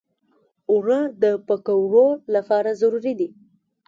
اوړه د پکوړو لپاره ضروري دي